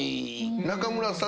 中村さん